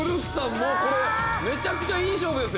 もうこれめちゃくちゃいい勝負ですよ。